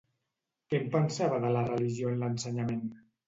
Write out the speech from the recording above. Què en pensava de la religió en l'ensenyament?